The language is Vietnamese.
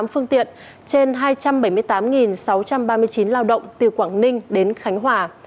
sáu mươi một bốn trăm sáu mươi tám phương tiện trên hai trăm bảy mươi tám sáu trăm ba mươi chín lao động từ quảng ninh đến khánh hòa